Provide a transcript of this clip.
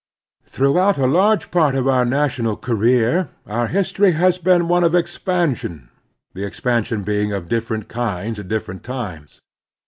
Throughout a large part of our national career our history has been one of expansion, the expan sion being of different kinds at different times.